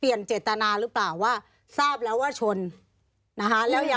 มีความรู้สึกว่ามีความรู้สึกว่ามีความรู้สึกว่า